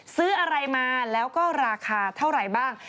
ซื้ออะไรมาแล้วก็ราคาเท่าไหร่บ้าง